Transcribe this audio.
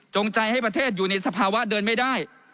ใจให้ประเทศอยู่ในสภาวะเดินไม่ได้